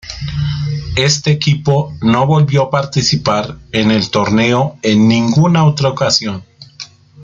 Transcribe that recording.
Este equipó no volvió a participar en el torneo en ninguna otra ocasión.